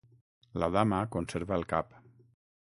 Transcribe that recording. La Dama conserva el cap.